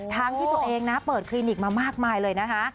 ที่ตัวเองนะเปิดคลินิกมามากมายเลยนะคะ